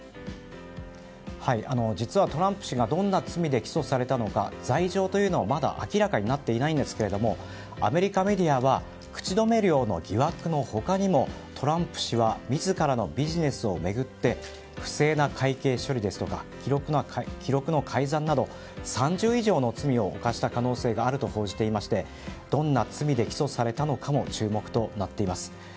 実はトランプ氏がどんな罪で起訴されたのか罪状というのは、まだ明らかになっていないんですけれどアメリカメディアは口止め料の疑惑の他にもトランプ氏は自らのビジネスを巡って不正な会計処理ですとか記録の改ざんなど３０以上の罪を犯した可能性があると報じていましてどんな罪で起訴されたのかも注目となっています。